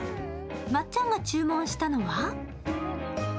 まっちゃんが注文したのは？